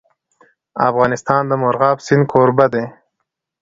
افغانستان د مورغاب سیند کوربه دی.